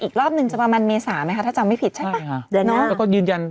อีกรอบนึงจะประมาณเมษาไหมคะถ้าจำไม่ผิดใช่ป่ะ